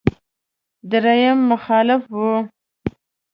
درېيم مخالف و.